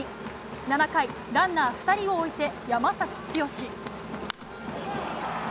７回、ランナー２人を置いて山崎剛。